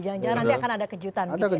jangan jangan nanti akan ada kejutan